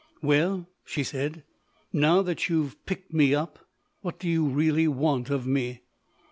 "Well," she said, "now that you've picked me up, what do you really want of me?"